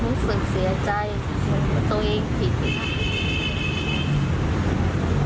รู้สึกเสียใจเหมือนตัวเองผิด